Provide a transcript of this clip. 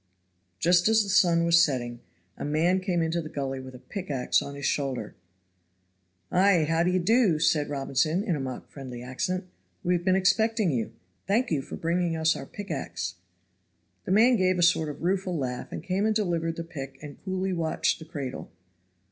Just as the sun was setting, a man came into the gully with a pickax on his shoulder. "Ah! how d'ye do?" said Robinson, in a mock friendly accent. "We have been expecting you. Thank you for bringing us our pickax." The man gave a sort of rueful laugh and came and delivered the pick and coolly watched the cradle.